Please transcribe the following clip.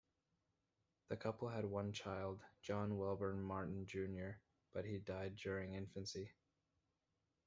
The couple had one child, John Wellborn Martin, Junior but he died during infancy.